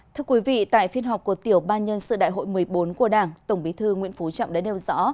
thưa quý vị tại phiên họp của tiểu ban nhân sự đại hội một mươi bốn của đảng tổng bí thư nguyễn phú trọng đã nêu rõ